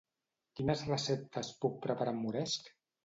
Quines receptes puc preparar amb moresc?